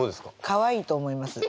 かわいいと思います。